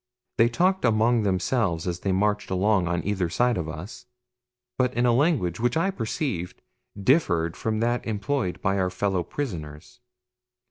They talked among themselves as they marched along on either side of us, but in a language which I perceived differed from that employed by our fellow prisoners.